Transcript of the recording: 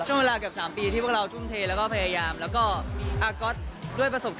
ช่วงเวลา๓ปีที่พวกเราทุ่มเทและก็พยายามและก็อาร์กอทด้วยพระสมศัพท์